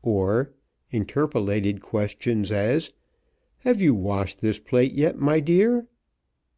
or interpolated questions, as: "Have you washed this plate yet, my dear?"